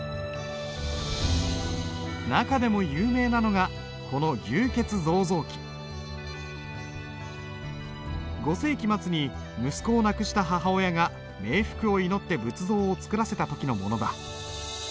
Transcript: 中でも有名なのがこの５世紀末に息子を亡くした母親が冥福を祈って仏像を作らせた時のものだ。